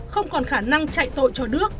không còn khả năng chạy tội cho nước